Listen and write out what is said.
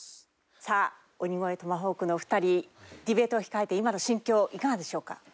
さあ鬼越トマホークのお二人ディベートを控えて今の心境いかがでしょうか？